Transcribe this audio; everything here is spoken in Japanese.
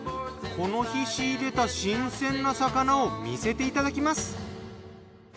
この日仕入れた新鮮な魚を見せていただきます。